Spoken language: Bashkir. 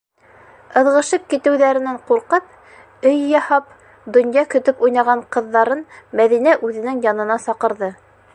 Ыҙғышып китеүҙәренән ҡурҡып, өй яһап, донъя көтөп уйнаған ҡыҙҙарын Мәҙинә үҙенең янына саҡырҙы: